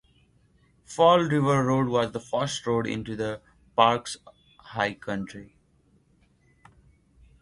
Fall River Road was the first road into the park's high country.